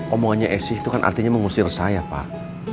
omongannya esi itu kan artinya mengusir saya pak